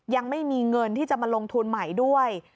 ยังไม่มีเงินที่จะมาลงทุนใหม่ด้วย